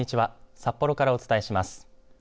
札幌からお伝えします。